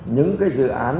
những dự án